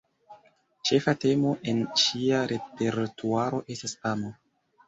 Ĉefa temo en ŝia repertuaro estas amo.